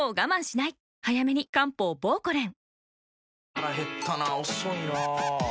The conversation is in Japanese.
腹減ったな遅いな。